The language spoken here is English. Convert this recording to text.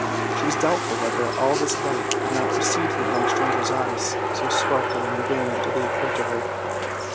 She was doubtful whether all this light did not proceed from the young stranger's eyes, so sparkling and brilliant did they appear to her.